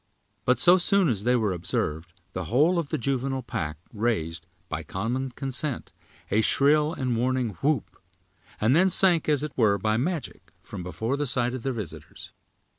But so soon as they were observed the whole of the juvenile pack raised, by common consent, a shrill and warning whoop; and then sank, as it were, by magic, from before the sight of their visitors.